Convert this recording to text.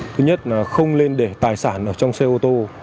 thứ nhất là không lên để tài sản ở trong xe ô tô